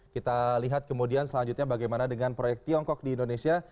kita lihat kemudian selanjutnya bagaimana dengan proyek tiongkok di indonesia